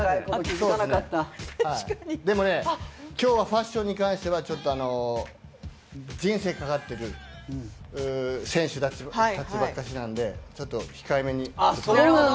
でもね、今日はファッションに関しては、人生かかっている選手たちばっかしなんでちょっと控えめに。